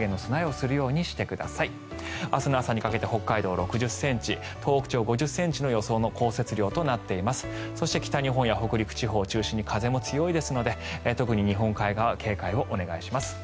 そして北日本や北陸地方を中心に風が強いので特に日本海側は警戒をお願いします。